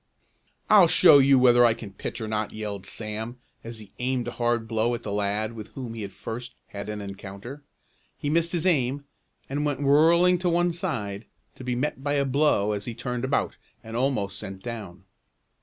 "I'll show you whether I can pitch or not!" yelled Sam, as he aimed a hard blow at the lad with whom he had first had an encounter. He missed his aim, and went whirling to one side, to be met by a blow as he turned about, and almost sent down.